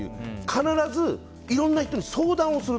必ずいろんな人に相談をする。